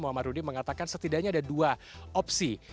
muhammad rudi mengatakan setidaknya ada dua opsi